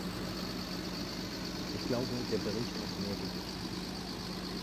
Ich glaube, der Bericht hat mehr Gewicht.